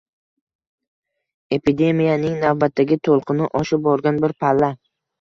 Epidemiyaning navbatdagi toʻlqini oshib borgan bir palla